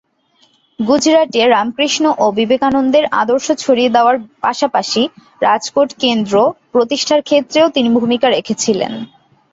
গুজরাটে রামকৃষ্ণ ও বিবেকানন্দের আদর্শ ছড়িয়ে দেওয়ার পাশাপাশি রাজকোট কেন্দ্র প্রতিষ্ঠার ক্ষেত্রেও তিনি ভূমিকা রেখেছিলেন।